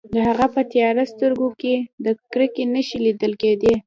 د هغه په تیاره سترګو کې د کرکې نښې لیدل کیدې